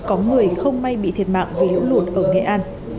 có người không may bị thiệt mạng vì lũ lụt ở nghệ an